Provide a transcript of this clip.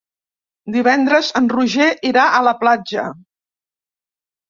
Divendres en Roger irà a la platja.